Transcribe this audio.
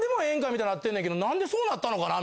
みたいなってんねんけどなんでそうなったのかな？